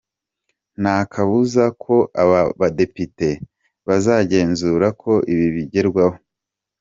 Nta kabuza ko aba badepite bazagenzura ko ibi bigerwaho.